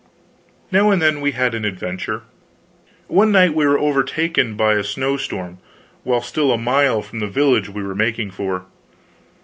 Now and then we had an adventure. One night we were overtaken by a snow storm while still a mile from the village we were making for.